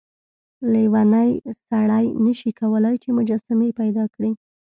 لیونی سړی نشي کولای چې مجسمې پیدا کړي.